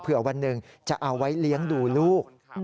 วันหนึ่งจะเอาไว้เลี้ยงดูลูก